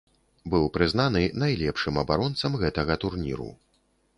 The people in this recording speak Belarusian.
Быў прызнаны найлепшым абаронцам гэтага турніру.